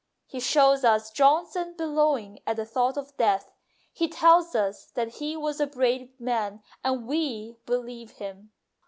He shows us Johnson bellow ing at the thought of death ; he tells us that he was a brave man, and we believe him.